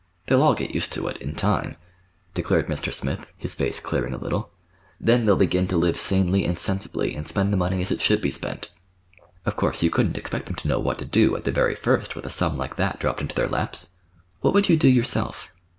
They'll all get used to it—in time," declared Mr. Smith, his face clearing a little. "Then they'll begin to live sanely and sensibly, and spend the money as it should be spent. Of course, you couldn't expect them to know what to do, at the very first, with a sum like that dropped into their laps. What would you do yourself?